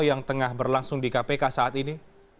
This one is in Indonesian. yang tengah berlangsung di kpk saat ini